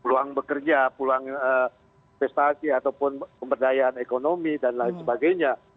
peluang bekerja peluang investasi ataupun pemberdayaan ekonomi dan lain sebagainya